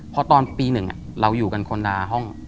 เพราะตอนปี๑เราอยู่กันคนละห้อง